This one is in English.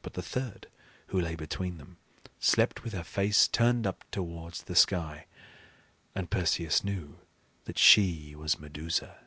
But the third, who lay between them, slept with her face turned up towards the sky; and Perseus knew that she was Medusa.